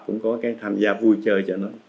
cũng có cái tham gia vui chơi cho nó